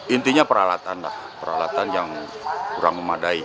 intinya peralatan lah peralatan yang kurang memadai